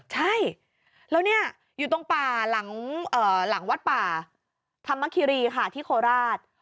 ใช่แล้วเนี่ยอยู่ตรงป่าหลังวัดป่าธรรมคิรีค่ะที่โคราช